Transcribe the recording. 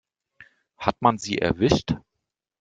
Hat man sie erwischt?